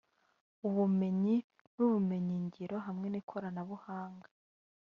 ubumenyi n’ubumenyingiro hamwe n’ikoranabuhanga